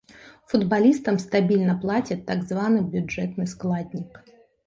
Футбалістам стабільна плацяць так званы бюджэтны складнік.